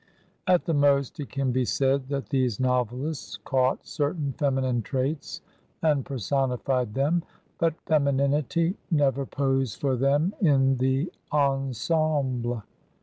At the most it can be said that these novelists caught certain feminine traits and personified them ; but femininity never posed for them in the ensemble.